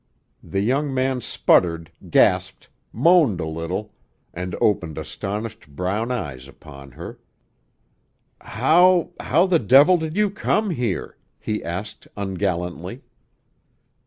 The young man sputtered, gasped, moaned a little, and opened astonished brown eyes upon her. "How how the devil did you come here?" he asked ungallantly.